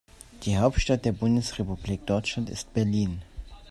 Die Hauptstadt der Bundesrepublik Deutschland ist Berlin